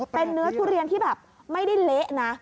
เป็นเนื้อทุเรียนที่แบบไม่ได้เละนะ